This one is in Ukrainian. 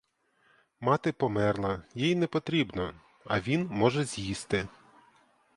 Мати померла, їй непотрібно, а він може з'їсти.